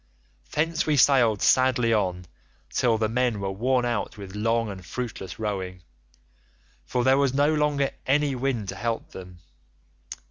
"Thence we sailed sadly on till the men were worn out with long and fruitless rowing, for there was no longer any wind to help them.